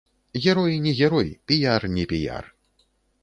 Герой не герой, піяр не піяр.